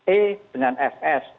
e dengan fs